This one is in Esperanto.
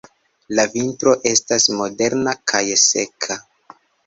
La vintro estas modera kaj seka.